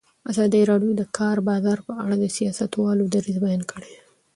ازادي راډیو د د کار بازار په اړه د سیاستوالو دریځ بیان کړی.